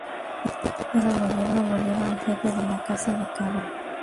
Este título lo lleva el jefe de la Casa de Cabra.